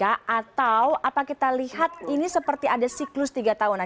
atau apa kita lihat ini seperti ada siklus tiga tahunan